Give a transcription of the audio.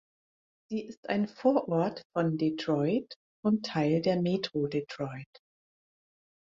Sie ist ein Vorort von Detroit und Teil der Metro Detroit.